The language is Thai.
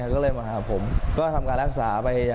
ก็เลยมาหาผมก็ทำการรักษาไป